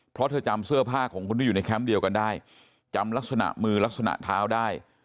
เพราะเธอจำเสื้อผ้าของคนที่อยู่ในแคมป์เดียวกันได้จำลักษณะมือลักษณะเท้าได้